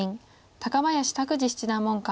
高林拓二七段門下。